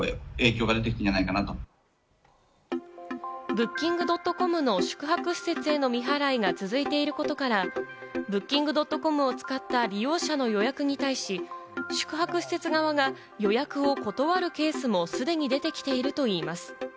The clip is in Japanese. Ｂｏｏｋｉｎｇ．ｃｏｍの宿泊施設への未払いが続いていることから、Ｂｏｏｋｉｎｇ．ｃｏｍを使った利用者の予約に対し、宿泊施設側が予約を断るケースも既に出てきているといいます。